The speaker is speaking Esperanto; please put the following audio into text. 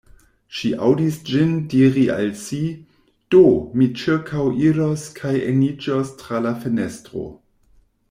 Ŝi aŭdis ĝin diri al si: “Do, mi ĉirkaŭiros kaj eniĝos tra la fenestro.”